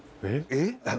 えっ？